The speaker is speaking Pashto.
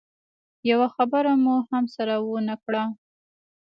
يوه خبره مو هم سره ونه کړه.